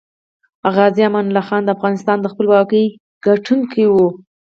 غازي امان الله خان دافغانستان دخپلواکۍ ګټونکی وه